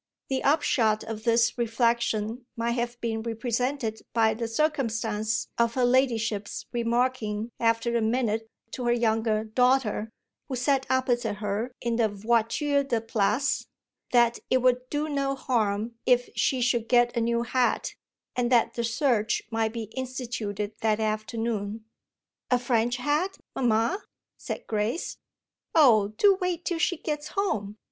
The upshot of this reflexion might have been represented by the circumstance of her ladyship's remarking after a minute to her younger daughter, who sat opposite her in the voiture de place, that it would do no harm if she should get a new hat and that the search might be instituted that afternoon. "A French hat, mamma?" said Grace. "Oh do wait till she gets home!"